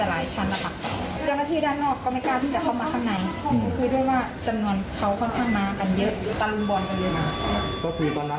อันยังงี้ก็คือท่านพ่อสตาเอ่อเราไม่รู้ว่าก็มีอุปกรณ์ที่อะไรมาบ้าง